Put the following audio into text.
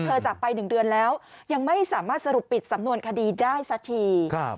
จากไป๑เดือนแล้วยังไม่สามารถสรุปปิดสำนวนคดีได้สักที